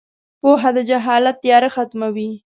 • پوهه د جهالت تیاره ختموي.